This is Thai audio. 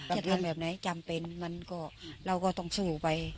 จะทำแบบไหนจำเป็นมันก็เราก็ต้องสู้ไป